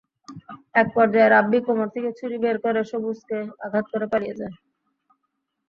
একপর্যায়ে রাব্বী কোমর থেকে ছুরি বের করে সবুজকে আঘাত করে পালিয়ে যান।